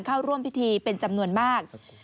เข้าร่วมพิธีเป็นจำนวนมาก